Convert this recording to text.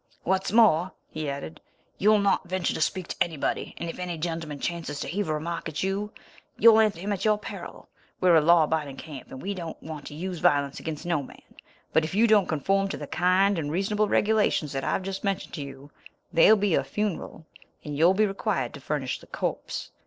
"What's more," he added, "you'll not venture to speak to anybody; and if any gentleman chances to heave a remark at you you'll answer him at your peril. We're a law abiding camp, and we don't want to use violence against no man; but if you don't conform to the kind and reasonable regulations that I've just mentioned to you, there'll be a funeral, and you'll be required to furnish the corpse.